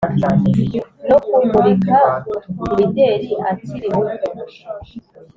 no kumurika imideli akiri muto